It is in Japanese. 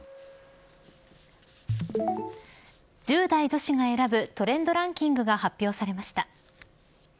１０代女子が選ぶトレンドランキングが発表されました。